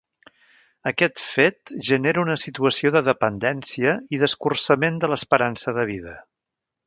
Aquest fet genera una situació de dependència i d'escurçament de l'esperança de vida.